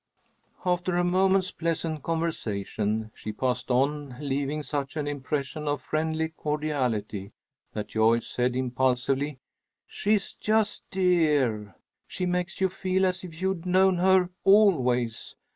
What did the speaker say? After a moment's pleasant conversation she passed on, leaving such an impression of friendly cordiality that Joyce said, impulsively, "She's just dear! She makes you feel as if you'd known her always.